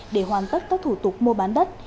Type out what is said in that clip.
để hoàn tất các thủ tục mua bán đất